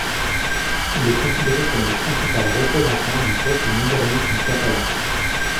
Il est considéré comme le principal représentant du post-modernisme catalan.